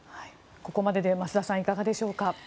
ここまでで増田さん、いかがでしょうか？